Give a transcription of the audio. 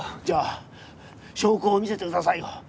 じゃあ証拠を見せてくださいよ。